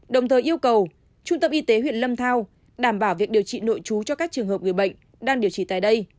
đồng thời yêu cầu trung tâm y tế huyện lâm thao đảm bảo việc điều trị nội trú cho các trường hợp người bệnh đang điều trị tại đây